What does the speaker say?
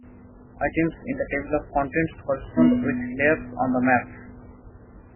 Items in the table of contents correspond with layers on the map.